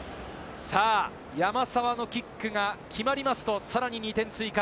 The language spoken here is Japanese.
山沢のキックが決まりますと、さらに２点追加。